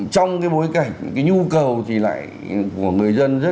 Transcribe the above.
trong cái bối cảnh cái nhu cầu thì lại của người dân rất